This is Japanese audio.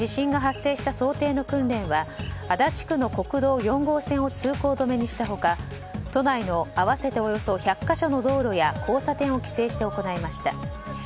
震度７の地震が発生したことを想定した訓練では足立区の国道４号線を通行止めにした他都内の合わせておよそ１００か所の道路や交差点を規制して行いました。